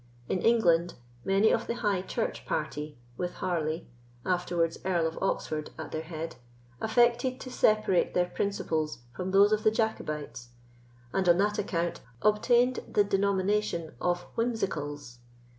In England, many of the High Church party, with Harley, afterwards Earl of Oxford, at their head, affected to separate their principles from those of the Jacobites, and, on that account, obtained the denomination of Whimsicals.